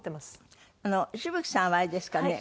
紫吹さんはあれですかね？